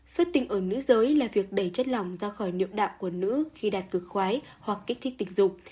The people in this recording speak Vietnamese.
xuất tinh ở nữ giới là việc đẩy chất lỏng ra khỏi niệu đạo của nữ khi đạt cửa khoái hoặc kích thích tình dục